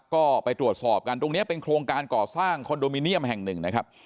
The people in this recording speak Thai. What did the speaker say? ก็ไปตรวจสอบกันตรงนี้เป็นโครงการก่อสร้างคอนโดมิเนียมแห่งหนึ่งนะครับ